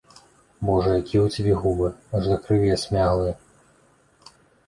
Божа, якія ў цябе губы, аж да крыві асмяглыя.